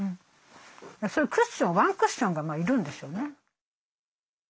そういうクッションワンクッションが要るんですよね。